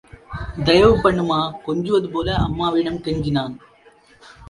தயவுபண்ணும்மா கொஞ்சுவது போல அம்மாவிடம் கெஞ்சினான்.